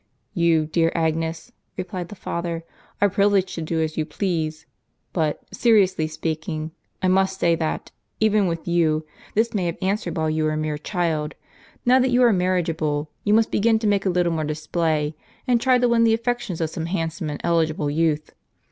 "You, dear Agnes," replied the father, "are privileged to do as you please. But, seriously speaking, I must say that, even with you, this may have answered while you were a mere child ; now that you are marriageable,* you must begin to make a little more display, and try to win the affections of some handsome and eligible youth.